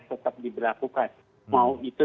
tetap diberlakukan mau itu